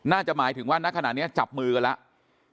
น่าจะหมายถึงว่าณขณะนี้จับมือกันแล้ว